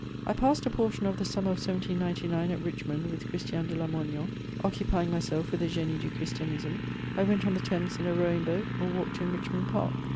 ] I passed a portion of the summer of 1799 at Richmond with Christian de Lamoignon, occupying myself with the Génie du Christianisme. I went on the Thames in a rowing boat, or walked in Richmond Park.